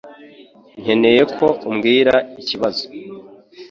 Nkeneye ko umbwira ikibazo